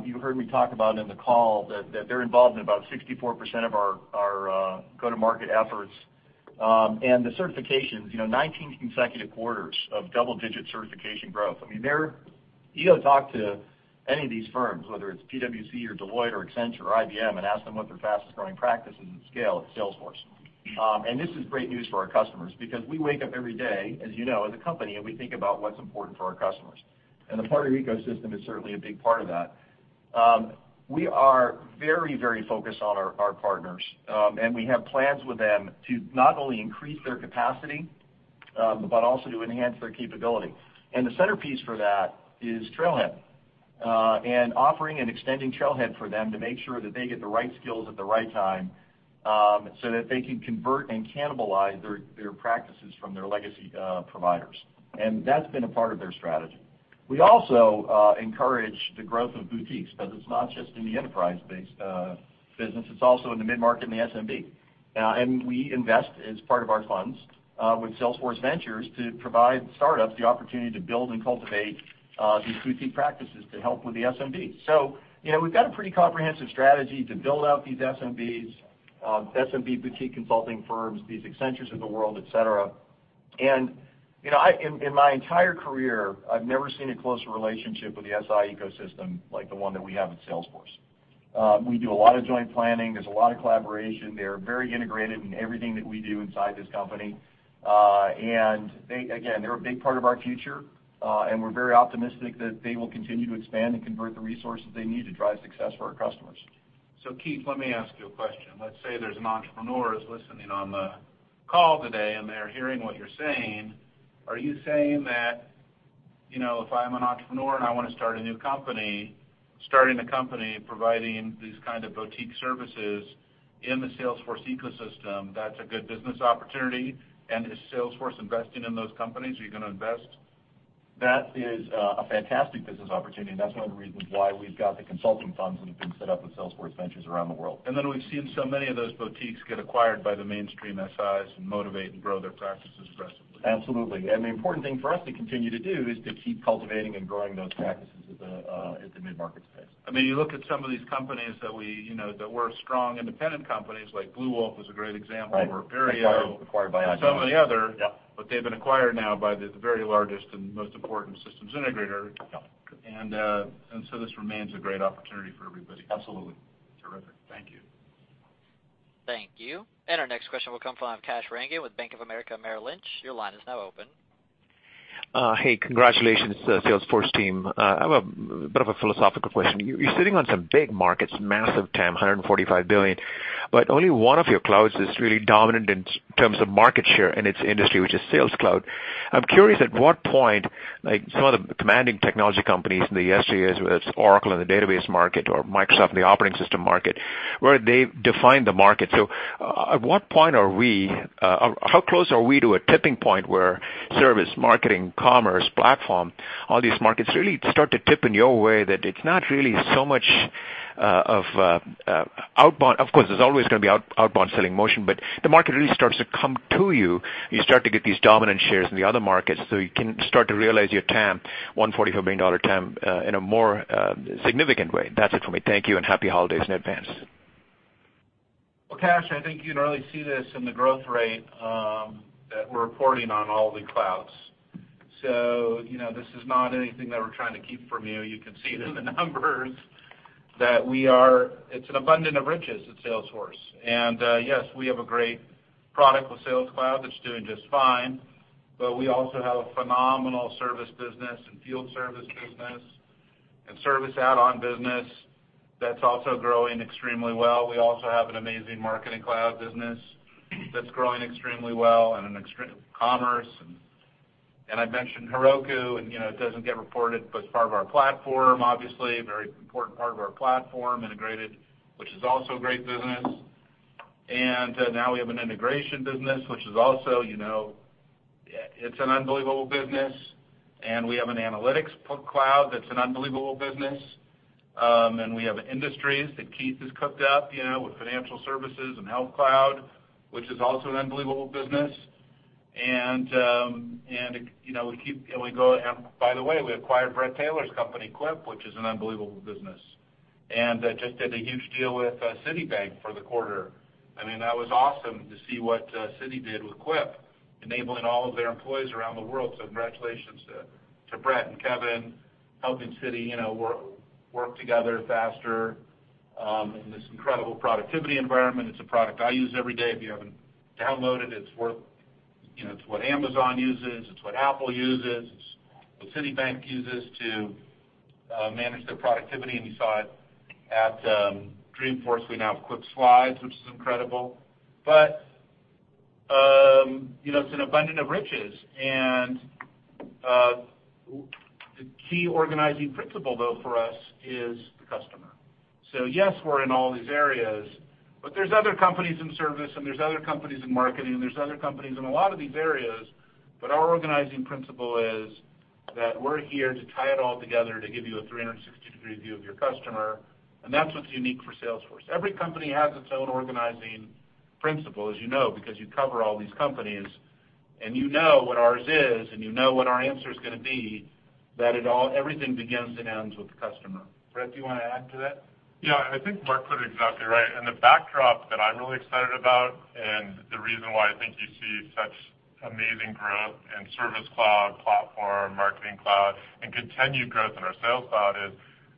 You heard me talk about in the call that they're involved in about 64% of our go-to-market efforts. The certifications, 19 consecutive quarters of double-digit certification growth. You go talk to any of these firms, whether it's PwC or Deloitte or Accenture or IBM, and ask them what their fastest-growing practice is in scale, it's Salesforce. This is great news for our customers because we wake up every day, as you know, as a company, and we think about what's important for our customers. The partner ecosystem is certainly a big part of that. We are very focused on our partners. We have plans with them to not only increase their capacity, but also to enhance their capability. The centerpiece for that is Trailhead. Offering and extending Trailhead for them to make sure that they get the right skills at the right time, so that they can convert and cannibalize their practices from their legacy providers. That's been a part of their strategy. We also encourage the growth of boutiques because it's not just in the enterprise-based business, it's also in the mid-market and the SMB. We invest, as part of our funds, with Salesforce Ventures to provide startups the opportunity to build and cultivate these boutique practices to help with the SMBs. We've got a pretty comprehensive strategy to build out these SMBs, SMB boutique consulting firms, these Accentures of the world, et cetera. In my entire career, I've never seen a closer relationship with the SI ecosystem like the one that we have at Salesforce. We do a lot of joint planning. There's a lot of collaboration. They're very integrated in everything that we do inside this company. Again, they're a big part of our future. We're very optimistic that they will continue to expand and convert the resources they need to drive success for our customers.
Keith, let me ask you a question. Let's say there's an entrepreneur who's listening on the call today, and they're hearing what you're saying. Are you saying that? If I'm an entrepreneur and I want to start a new company, starting a company providing these kind of boutique services in the Salesforce ecosystem, that's a good business opportunity? Is Salesforce investing in those companies? Are you going to invest?
That is a fantastic business opportunity, that's one of the reasons why we've got the consulting funds that have been set up with Salesforce Ventures around the world.
We've seen so many of those boutiques get acquired by the mainstream SIs and motivate and grow their practices aggressively.
Absolutely. The important thing for us to continue to do is to keep cultivating and growing those practices at the mid-market space.
You look at some of these companies that were strong independent companies, like Bluewolf was a great example.
Acquired by Adobe
Some of the other.
Yep. They've been acquired now by the very largest and most important systems integrator.
Yep. This remains a great opportunity for everybody.
Absolutely.
Terrific. Thank you.
Thank you. Our next question will come from Kash Rangan with Bank of America Merrill Lynch. Your line is now open.
Hey, congratulations, Salesforce team. I have a bit of a philosophical question. You're sitting on some big markets, massive TAM, $145 billion. Only one of your clouds is really dominant in terms of market share in its industry, which is Sales Cloud. I'm curious at what point, like some of the commanding technology companies in the yesteryears, whether it's Oracle in the database market or Microsoft in the operating system market, where they defined the market. At what point are we, or how close are we to a tipping point where Service, Marketing, Commerce, Platform, all these markets really start to tip in your way? That it's not really so much of outbound. Of course, there's always going to be outbound selling motion, but the market really starts to come to you start to get these dominant shares in the other markets, so you can start to realize your TAM, $145 billion TAM, in a more significant way. That's it for me. Thank you, and happy holidays in advance.
Well, Kash, I think you can really see this in the growth rate that we're reporting on all the clouds. This is not anything that we're trying to keep from you. You can see it in the numbers that it's an abundance of riches at Salesforce. Yes, we have a great product with Sales Cloud that's doing just fine, but we also have a phenomenal service business, and field service business, and service add-on business that's also growing extremely well. We also have an amazing Marketing Cloud business that's growing extremely well, and Commerce Cloud, and I mentioned Heroku, and it doesn't get reported, but it's part of our Platform, obviously, a very important part of our Platform, integrated, which is also a great business. Now we have an integration business, which is also an unbelievable business. We have an Analytics Cloud that's an unbelievable business. We have industries that Keith has cooked up with financial services and Health Cloud, which is also an unbelievable business. By the way, we acquired Bret Taylor's company, Quip, which is an unbelievable business, and just did a huge deal with Citibank for the quarter. That was awesome to see what Citi did with Quip, enabling all of their employees around the world. Congratulations to Bret and Kevin, helping Citi work together faster in this incredible productivity environment. It's a product I use every day. If you haven't downloaded, it's what Amazon uses, it's what Apple uses, it's what Citibank uses to manage their productivity. You saw it at Dreamforce. We now have Quip Slides, which is incredible. It's an abundance of riches, and the key organizing principle, though, for us is the customer. Yes, we're in all these areas, there's other companies in service, there's other companies in marketing, there's other companies in a lot of these areas. Our organizing principle is that we're here to tie it all together to give you a 360-degree view of your customer, and that's what's unique for Salesforce. Every company has its own organizing principle, as you know, because you cover all these companies. You know what ours is, and you know what our answer's going to be, that everything begins and ends with the customer. Bret, do you want to add to that?
Yeah, I think Mark put it exactly right, the backdrop that I'm really excited about, the reason why I think you see such amazing growth in Service Cloud, Platform, Marketing Cloud, and continued growth in our Sales Cloud, is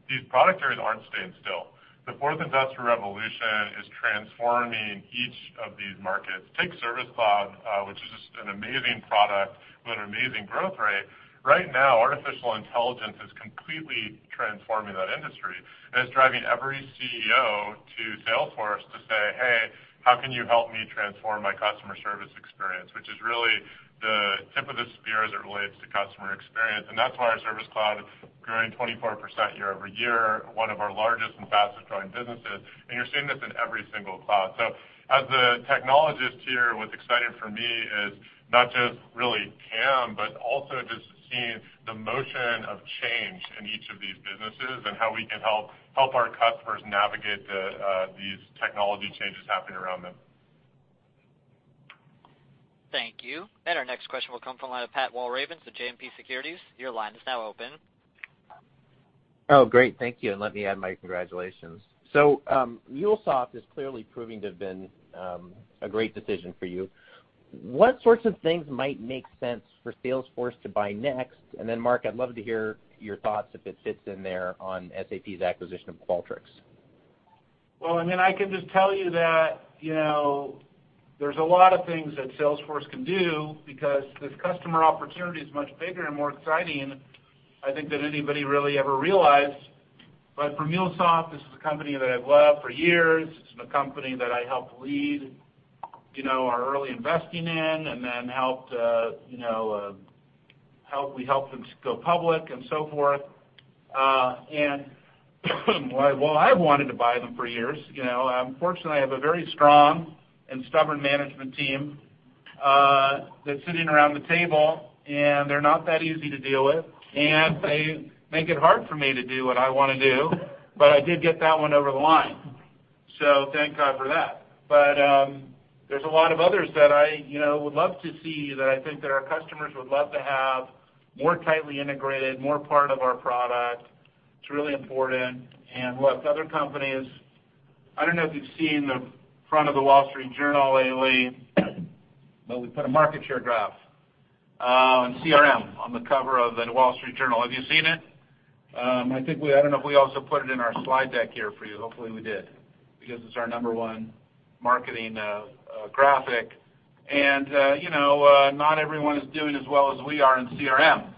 these product areas aren't staying still. The fourth industrial revolution is transforming each of these markets. Take Service Cloud, which is just an amazing product with an amazing growth rate. Right now, artificial intelligence is completely transforming that industry, and it's driving every CEO to Salesforce to say, "Hey, how can you help me transform my customer service experience?" Which is really the tip of the spear as it relates to customer experience, and that's why our Service Cloud is growing 24% year-over-year, one of our largest and fastest growing businesses. You're seeing this in every single cloud. As the technologist here, what's exciting for me is not just really TAM, but also just seeing the motion of change in each of these businesses, and how we can help our customers navigate these technology changes happening around them.
Thank you. Our next question will come from the line of Patrick Walravens with JMP Securities. Your line is now open.
Great. Thank you. Let me add my congratulations. MuleSoft is clearly proving to have been a great decision for you. What sorts of things might make sense for Salesforce to buy next? Mark, I'd love to hear your thoughts, if it fits in there, on SAP's acquisition of Qualtrics.
Well, I can just tell you that there's a lot of things that Salesforce can do because this customer opportunity is much bigger and more exciting, I think, than anybody really ever realized. But for MuleSoft, this is a company that I've loved for years. This is a company that I helped lead, our early investing in, and then we helped them go public and so forth. I wanted to buy them for years. Fortunately, I have a very strong and stubborn management team that's sitting around the table, and they're not that easy to deal with, and they make it hard for me to do what I want to do, but I did get that one over the line. Thank God for that. There's a lot of others that I would love to see, that I think that our customers would love to have, more tightly integrated, more part of our product. It's really important. Look, other companies, I don't know if you've seen the front of The Wall Street Journal lately, but we put a market share graph on CRM on the cover of The Wall Street Journal. Have you seen it? I don't know if we also put it in our slide deck here for you. Hopefully, we did, because it's our number one marketing graphic. Not everyone is doing as well as we are in CRM.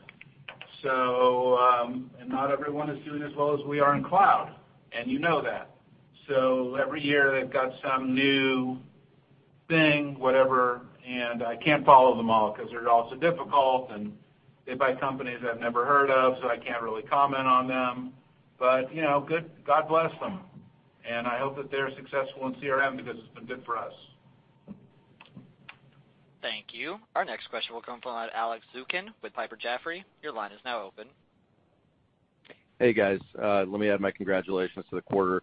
Not everyone is doing as well as we are in cloud, and you know that. Every year, they've got some new thing, whatever, I can't follow them all because they're all so difficult, they buy companies I've never heard of, so I can't really comment on them. God bless them, I hope that they're successful in CRM because it's been good for us.
Thank you. Our next question will come from Alex Zukin with Piper Jaffray. Your line is now open.
Hey, guys. Let me add my congratulations to the quarter.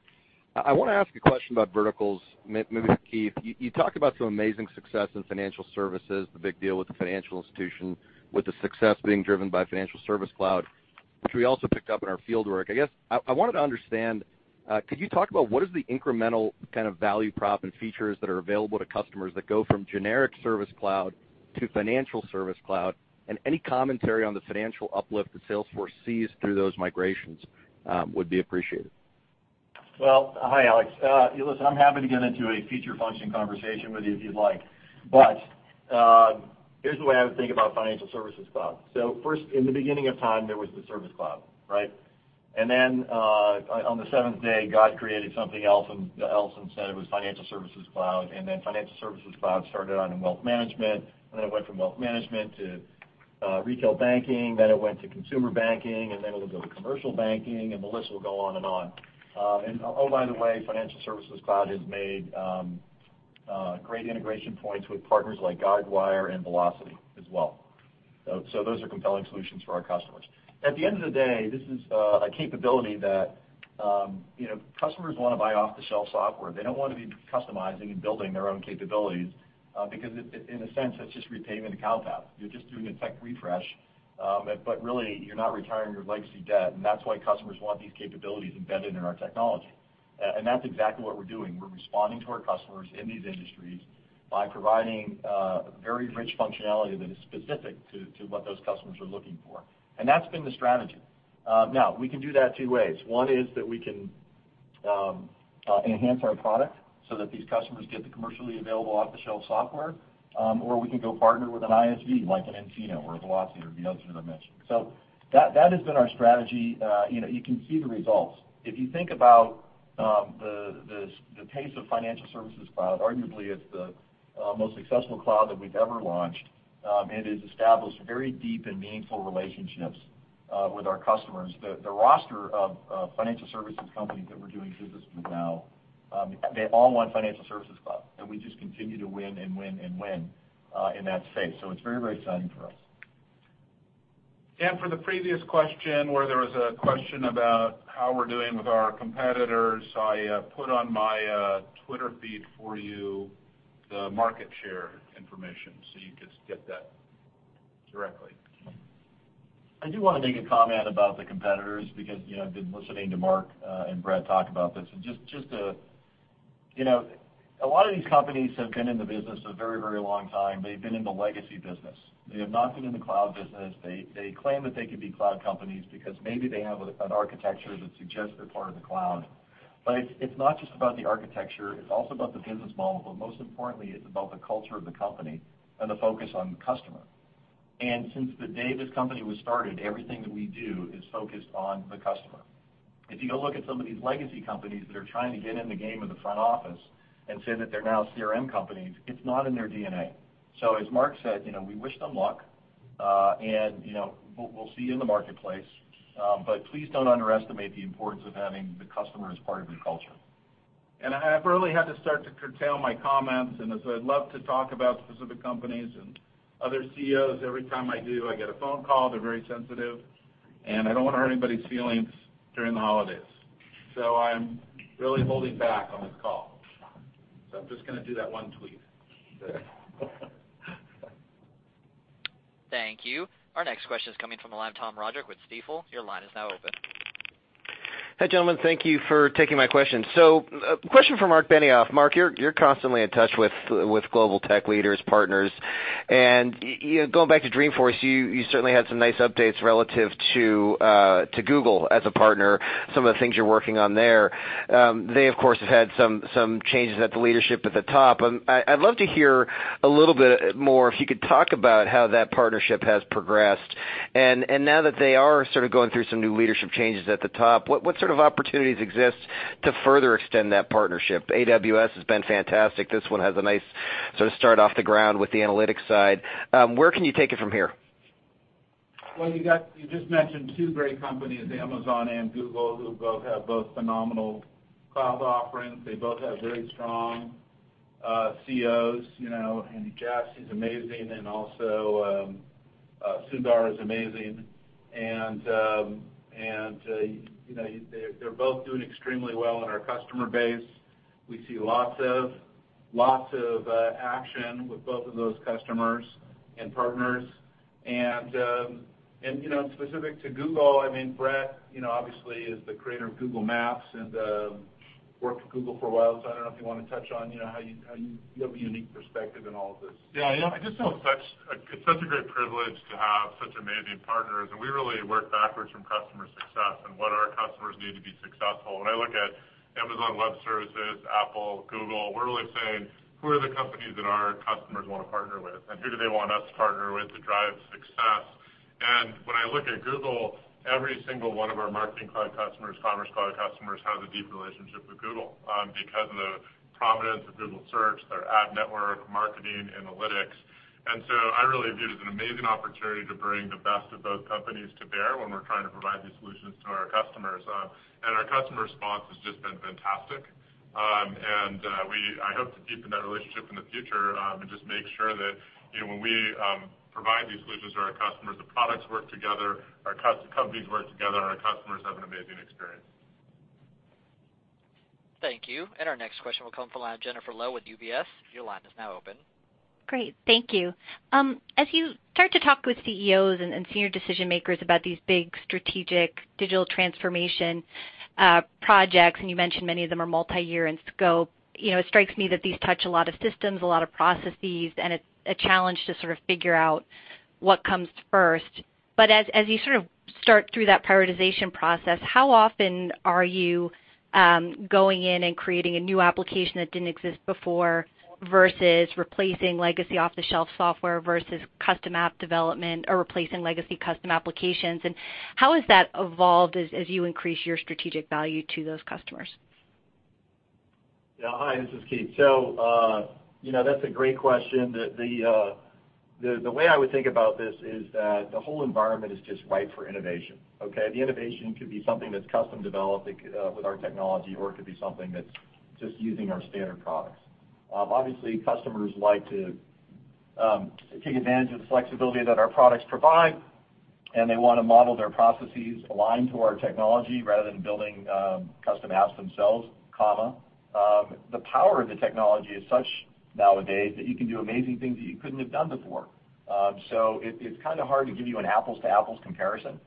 I want to ask a question about verticals, maybe for Keith. You talked about some amazing success in financial services, the big deal with the financial institution, with the success being driven by Financial Services Cloud, which we also picked up in our fieldwork. I guess, I wanted to understand, could you talk about what is the incremental value prop and features that are available to customers that go from generic Service Cloud to Financial Services Cloud, and any commentary on the financial uplift that Salesforce sees through those migrations would be appreciated.
Hi, Alex. Listen, I'm happy to get into a feature function conversation with you if you'd like. Here's the way I would think about Financial Services Cloud. First, in the beginning of time, there was the Service Cloud, right? Then, on the seventh day, God created something else, and said it was Financial Services Cloud. Then Financial Services Cloud started out in wealth management, then it went from wealth management to retail banking, then it went to consumer banking, then it went to commercial banking, and the list will go on and on. Oh by the way, Financial Services Cloud has made great integration points with partners like Guidewire and Velocify as well. Those are compelling solutions for our customers. At the end of the day, this is a capability that customers want to buy off-the-shelf software. They don't want to be customizing and building their own capabilities, because in a sense, that's just re-paving the cow path. You're just doing a tech refresh, but really, you're not retiring your legacy debt. That's why customers want these capabilities embedded in our technology. That's exactly what we're doing. We're responding to our customers in these industries by providing very rich functionality that is specific to what those customers are looking for. That's been the strategy. We can do that two ways. One is that we can enhance our product so that these customers get the commercially available off-the-shelf software, or we can go partner with an ISV, like an nCino or a Velocify or the others that I mentioned. That has been our strategy. You can see the results. If you think about the pace of Financial Services Cloud, arguably it's the most successful cloud that we've ever launched, and has established very deep and meaningful relationships with our customers. The roster of financial services companies that we're doing business with now, they all want Financial Services Cloud, and we just continue to win and win and win in that space. It's very, very exciting for us.
For the previous question, where there was a question about how we're doing with our competitors, I put on my Twitter feed for you the market share information so you could get that directly.
I do want to make a comment about the competitors, because I've been listening to Mark and Bret talk about this. A lot of these companies have been in the business a very, very long time. They've been in the legacy business. They have not been in the cloud business. They claim that they could be cloud companies because maybe they have an architecture that suggests they're part of the cloud. It's not just about the architecture, it's also about the business model, but most importantly, it's about the culture of the company and the focus on the customer. Since the day this company was started, everything that we do is focused on the customer. If you go look at some of these legacy companies that are trying to get in the game of the front office and say that they're now CRM companies, it's not in their DNA. As Mark said, we wish them luck, and we'll see you in the marketplace, but please don't underestimate the importance of having the customer as part of your culture.
I really have to start to curtail my comments. As I'd love to talk about specific companies and other CEOs, every time I do, I get a phone call. They're very sensitive, and I don't want to hurt anybody's feelings during the holidays. I'm really holding back on this call. I'm just going to do that one tweet.
Thank you. Our next question is coming from the line of Thomas Roderick with Stifel. Your line is now open.
Hi, gentlemen. Thank you for taking my question. Question for Marc Benioff. Marc, you're constantly in touch with global tech leaders, partners, and going back to Dreamforce, you certainly had some nice updates relative to Google as a partner, some of the things you're working on there. They, of course, have had some changes at the leadership at the top. I'd love to hear a little bit more, if you could talk about how that partnership has progressed. Now that they are sort of going through some new leadership changes at the top, what sort of opportunities exist to further extend that partnership? AWS has been fantastic. This one has a nice sort of start off the ground with the analytics side. Where can you take it from here?
Well, you just mentioned two great companies, Amazon and Google, who both have both phenomenal cloud offerings. They both have very strong CEOs. Andy Jassy is amazing, and also Sundar is amazing. They're both doing extremely well in our customer base. We see lots of action with both of those customers and partners. Specific to Google, Bret obviously is the creator of Google Maps and worked at Google for a while, so I don't know if you want to touch on how you have a unique perspective in all of this.
Yeah. I just know it's such a great privilege to have such amazing partners, and we really work backwards from customer success and what our customers need to be successful. When I look at Amazon Web Services, Apple, Google, we're really saying, who are the companies that our customers want to partner with, and who do they want us to partner with to drive success? When I look at Google, every single one of our Marketing Cloud customers, Commerce Cloud customers, has a deep relationship with Google because of the prominence of Google Search, their ad network, marketing, analytics. I really view it as an amazing opportunity to bring the best of both companies to bear when we're trying to provide these solutions to our customers. Our customer response has just been fantastic. I hope to deepen that relationship in the future, just make sure that when we provide these solutions to our customers, the products work together, our companies work together, our customers have an amazing experience.
Thank you. Our next question will come from the line of Jennifer Lowe with UBS. Your line is now open.
Great. Thank you. As you start to talk with CEOs and senior decision-makers about these big strategic digital transformation projects, you mentioned many of them are multi-year in scope, it strikes me that these touch a lot of systems, a lot of processes, and it's a challenge to sort of figure out what comes first. As you sort of start through that prioritization process, how often are you going in and creating a new application that didn't exist before versus replacing legacy off-the-shelf software versus custom app development or replacing legacy custom applications? How has that evolved as you increase your strategic value to those customers?
Yeah. Hi, this is Keith. That's a great question. The way I would think about this is that the whole environment is just ripe for innovation, okay? The innovation could be something that's custom-developed with our technology, or it could be something that's just using our standard products. Obviously, customers like to take advantage of the flexibility that our products provide, they want to model their processes aligned to our technology rather than building custom apps themselves, comma. The power of the technology is such nowadays that you can do amazing things that you couldn't have done before. It's kind of hard to give you an apples-to-apples comparison.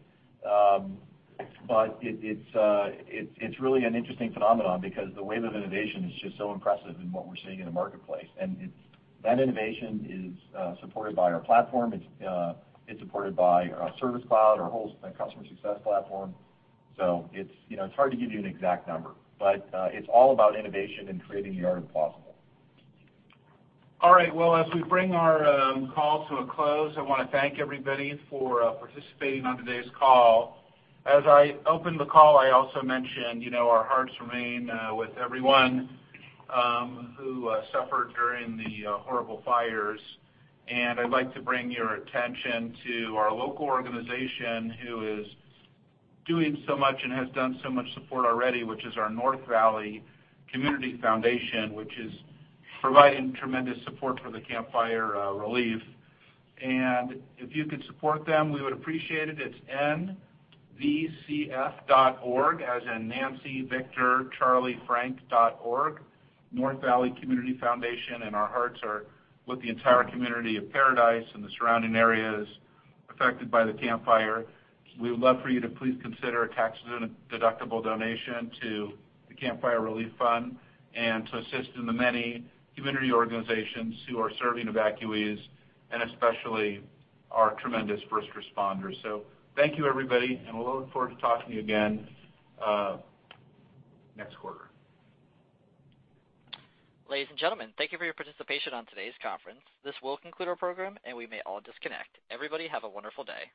It's really an interesting phenomenon because the wave of innovation is just so impressive in what we're seeing in the marketplace, that innovation is supported by our Platform. It's supported by our Service Cloud, our whole Customer Success Platform. It's hard to give you an exact number, it's all about innovation and creating the art of possible.
All right. Well, as we bring our call to a close, I want to thank everybody for participating on today's call. As I opened the call, I also mentioned our hearts remain with everyone who suffered during the horrible fires. I'd like to bring your attention to our local organization who is doing so much and has done so much support already, which is our North Valley Community Foundation, which is providing tremendous support for the Camp Fire relief. If you could support them, we would appreciate it. It's nvcf.org, as in Nancy, Victor, Charlie, Frank dot org, North Valley Community Foundation, and our hearts are with the entire community of Paradise and the surrounding areas affected by the Camp Fire. We would love for you to please consider a tax-deductible donation to the Camp Fire Relief Fund and to assist in the many community organizations who are serving evacuees, and especially our tremendous first responders. Thank you, everybody, and we'll look forward to talking to you again next quarter.
Ladies and gentlemen, thank you for your participation on today's conference. This will conclude our program, and we may all disconnect. Everybody, have a wonderful day.